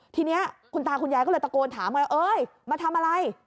ทีนี้คุณตาคุณยายก็เลยตะโกนถามไงเอ้ยมาทำอะไร